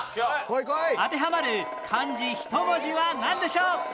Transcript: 当てはまる漢字１文字はなんでしょう？